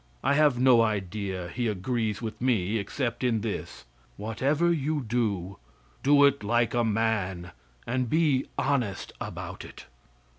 I have no idea he agrees with me except in this: Whatever you do, do it like a man and be honest about it.